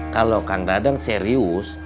kalau kandadan serius